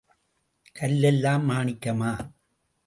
கல் எல்லாம் மாணிக்கமா?